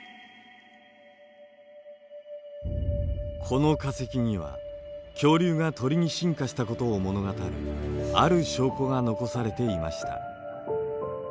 この化石には恐竜が鳥に進化したことを物語るある証拠が残されていました。